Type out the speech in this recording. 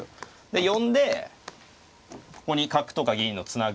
で呼んでここに角とか銀のつなぐっていう。